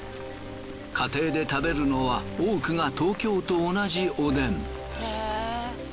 家庭で食べるのは多くが東京と同じおでん。